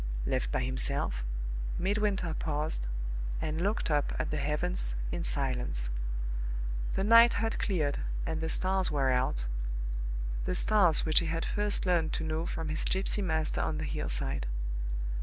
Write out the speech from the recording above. Left by himself, Midwinter paused, and looked up at the heavens in silence. The night had cleared, and the stars were out the stars which he had first learned to know from his gypsy master on the hillside.